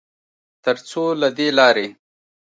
ترڅوله دې لارې